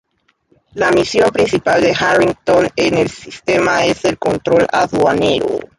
La misión principal de Harrington en el sistema es el control aduanero.